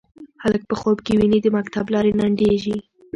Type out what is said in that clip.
هلک په خوب کې ویني د مکتب لارې لنډیږې